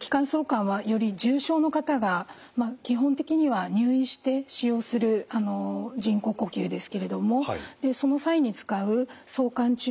気管挿管はより重症の方が基本的には入院して使用する人工呼吸ですけれどもその際に使う挿管チューブとなります。